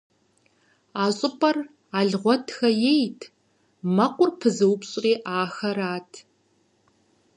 А щӏыпӏэр Алгъуэтхэ ейт, мэкъур пызыупщӏри ахэрат.